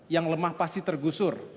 yang lemah pasti tergusur